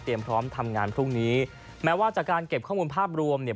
พร้อมทำงานพรุ่งนี้แม้ว่าจากการเก็บข้อมูลภาพรวมเนี่ย